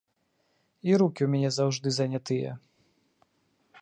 І рукі ў мяне заўжды занятыя!